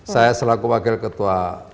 saya selaku wakil ketua